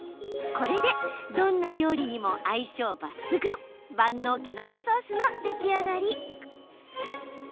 これで、どんな料理にも相性抜群万能きのこソースの出来上がり。